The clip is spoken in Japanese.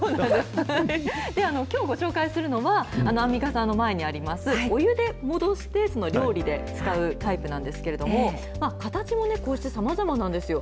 きょうご紹介するのは、アンミカさんの前にあります、お湯で戻して料理で使うタイプなんですけれども、形もね、こうしてさまざまなんですよ。